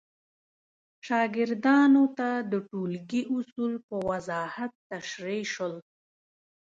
شاګردانو ته د ټولګي اصول په وضاحت تشریح شول.